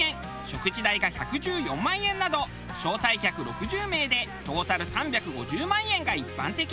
食事代が１１４万円など招待客６０名でトータル３５０万円が一般的。